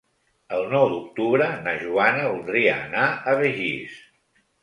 El nou d'octubre na Joana voldria anar a Begís.